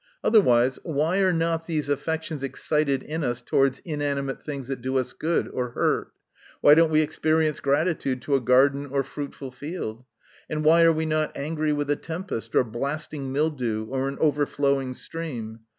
Otherwise, why are not these affections excited in us towards inanimate things, that do us good, or hurt ? Why do we not experience gratitude to a garden, or fruitful field 1 AnA why are we not angry with a tempest, or blasting mildew, or an overflow ing stream